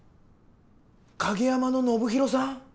影山の信博さん？